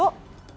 untuk lebih aman